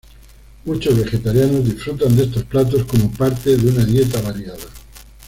Muchos vegetarianos disfrutan de estos platos como parte de una dieta variada.